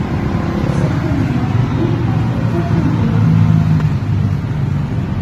S axxam-nneɣ aqdim, ɣer taddart anda lulaɣ.